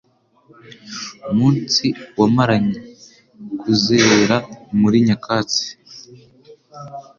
Umunsi wamaranye - kuzerera muri nyakatsi